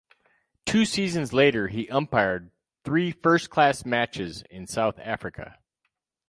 Two seasons later he umpired three first-class matches in South Africa.